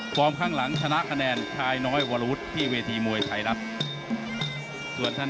พร้อมข้างหลังชนะคะแนน